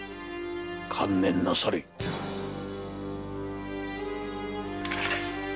観念なされい。